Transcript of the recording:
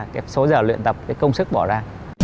cái số giờ luyện tập cái công sức bỏ ra